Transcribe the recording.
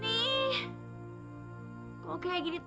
eh lupa aku mau ke rumah